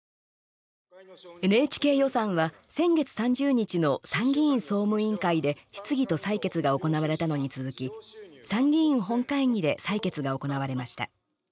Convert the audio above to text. ＮＨＫ予算は先月３０日の参議院総務委員会で質疑と採決が行われたのに続き参議院本会議で採決が行われました。